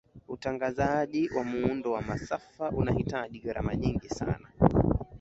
utangazaji wa muundo wa masafa unahitaji gharama nyingi sana